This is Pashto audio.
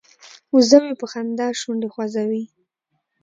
وزه مې په خندا شونډې خوځوي.